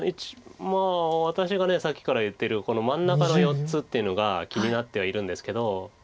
まあ私がさっきから言ってるこの真ん中の４つっていうのが気になってはいるんですけど。